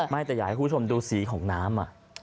ไม่แต่อยากให้คุณผู้ชมดูสีของน้ำ